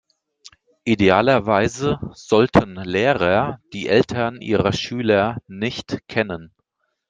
Idealerweise sollten Lehrer die Eltern ihrer Schüler nicht kennen.